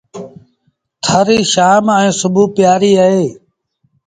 ٿر ريٚ شآم ائيٚݩ سُڀو جآم پيٚآريٚ اهي۔